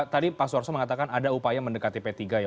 tadi pak suarso mengatakan ada upaya mendekati p tiga ya